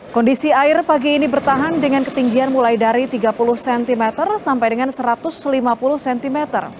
kondisi air pagi ini bertahan dengan ketinggian mulai dari tiga puluh cm sampai dengan satu ratus lima puluh cm